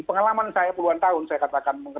pengalaman saya puluhan tahun saya katakan